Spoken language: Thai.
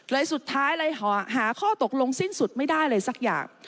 สุดท้ายเลยหาข้อตกลงสิ้นสุดไม่ได้เลยสักอย่าง